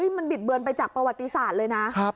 มันบิดเบือนไปจากประวัติศาสตร์เลยนะ